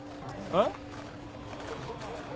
えっ？